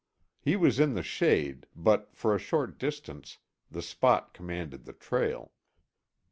He was in the shade, but for a short distance the spot commanded the trail.